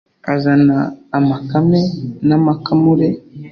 Azana amakame n'amakamure;